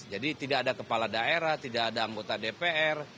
jadi tidak ada kepala daerah tidak ada anggota dpr